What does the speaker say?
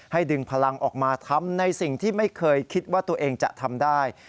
ดึงพลังออกมาทำในสิ่งที่ไม่เคยคิดว่าตัวเองจะทำได้